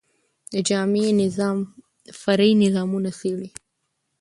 د جامع نظام، فرعي نظامونه څيړي.